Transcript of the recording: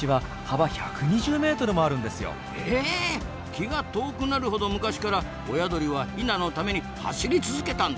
気が遠くなるほど昔から親鳥はヒナのために走り続けたんですなあ。